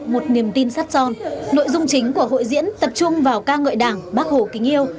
một niềm tin sắt son nội dung chính của hội diễn tập trung vào ca ngợi đảng bác hồ kính yêu